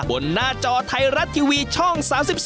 หน้าจอไทยรัฐทีวีช่อง๓๒